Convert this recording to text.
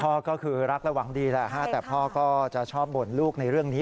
พ่อก็คือรักและหวังดีแหละฮะแต่พ่อก็จะชอบบ่นลูกในเรื่องนี้